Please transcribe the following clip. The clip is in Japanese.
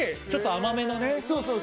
ちょっと甘めのね。